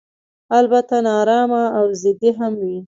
البته نا ارامه او ضدي هم وي.